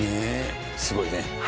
すごいね。